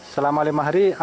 sudah lima hari